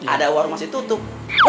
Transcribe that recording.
ada warung masih tutup